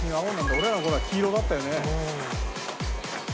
俺らの頃は黄色だったよね。